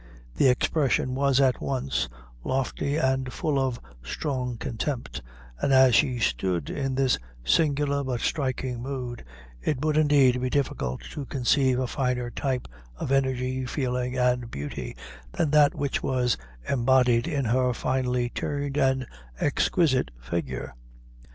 The expression was at once; lofty and full of strong contempt, and, as she stood in this singular but striking mood, it would indeed be difficult to conceive a finer type of energy, feeling, and beauty, than that which was embodied in her finely turned and exquisite figure.